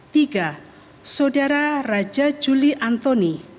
tiga saudara raja juli antoni